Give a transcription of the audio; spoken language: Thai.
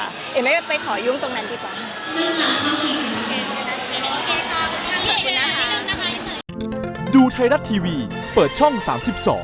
เห็นไหมไปขอยุ่งตรงนั้นดีกว่า